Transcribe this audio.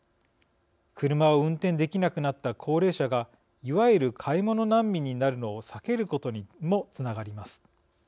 車を運転できなくなった高齢者がいわゆる買い物難民になるのを避けることにもつながります。